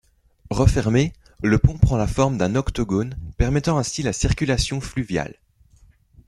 Refermé, le pont prend la forme d'un octogone, permettant ainsi la circulation fluviale.